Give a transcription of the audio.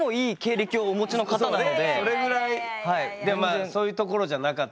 そういうところじゃなかったんですね。